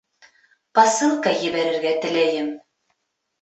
Посылка ебәрергә теләйем.